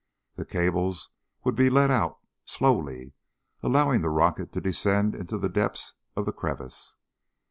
The cables would be let out, slowly, allowing the rocket to descend into the depths of the crevice.